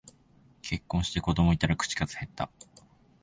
結婚して子供いたら口数へった